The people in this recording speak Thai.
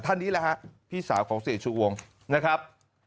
นี่แหละฮะพี่สาวของเสียชูวงนะครับ